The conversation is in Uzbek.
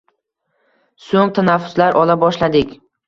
So‘ng tanaffuslar ola boshladik